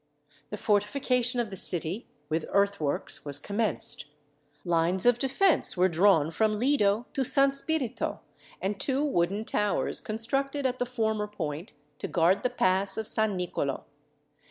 The fortification of the city, with earthworks, was commenced. Lines of defence were drawn from Lido to San Spirito, and two wooden towers constructed at the former point, to guard the pass of San Nicolo.